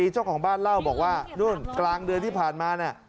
เจ้าของบ้านเล่าบอกว่านู่นกลางเดือนที่ผ่านมาเนี่ย